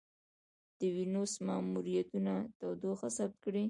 د وینوس ماموریتونه تودوخه ثبت کړې.